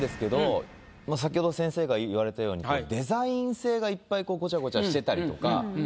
先ほど先生が言われたようにデザイン性がいっぱいこうごちゃごちゃしてたりとか。